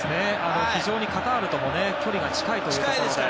非常にカタールとも距離が近いという。